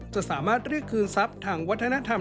จะสามารถเรียกคืนทรัพย์ทางวัฒนธรรม